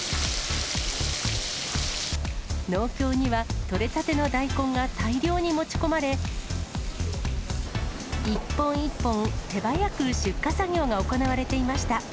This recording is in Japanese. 農協には、取れたての大根が大量に持ち込まれ、一本一本手早く出荷作業が行われていました。